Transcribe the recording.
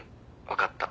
分かった。